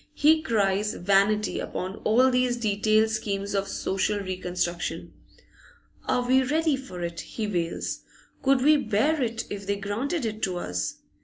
He cries vanity upon all these detailed schemes of social reconstruction. Are we ready for it? he wails. Could we bear it, if they granted it to us?